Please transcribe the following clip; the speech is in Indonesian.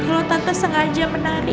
kalau tante sengaja menari